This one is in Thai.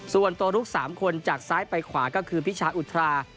ตัวลุก๓คนจากซ้ายไปขวาก็คือพิชาอุทรา